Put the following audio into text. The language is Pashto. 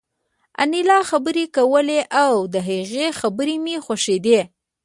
انیلا خبرې کولې او د هغې خبرې مې خوښېدې